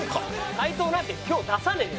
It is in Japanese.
斉藤なんて今日出さねえよ！